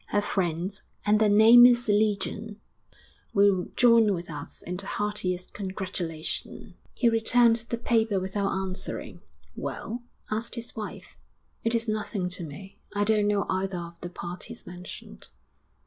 Her friends, and their name is legion, will join with us in the heartiest congratulations._' He returned the paper without answering. 'Well?' asked his wife. 'It is nothing to me. I don't know either of the parties mentioned.'